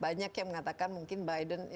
banyak yang mengatakan mungkin biden